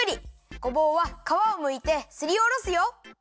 ごぼうはかわをむいてすりおろすよ。